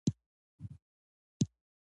تواب يو کتاب ور واخيست.